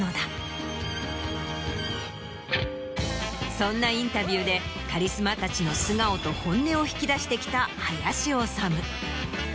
そんなインタビューでカリスマたちの素顔と本音を引き出してきた林修。